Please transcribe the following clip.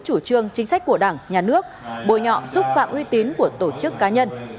chủ trương chính sách của đảng nhà nước bồi nhọ xúc phạm uy tín của tổ chức cá nhân